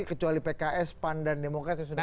kecuali pks pan dan demokrat yang sudah